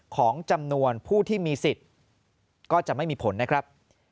ของจำนวนผู้ที่มีสิทธิ์ก็จะไม่มีผลนะครับ